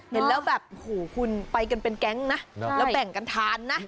เห็นแล้วแบบโอ้โหคุณไปกันเป็นแก๊งนะแล้วแบ่งกันทานนะ